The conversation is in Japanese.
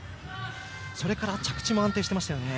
それから着地も安定していますね。